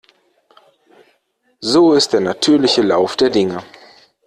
So ist der natürliche Lauf der Dinge.